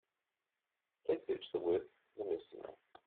Please search the work, The Mercenary.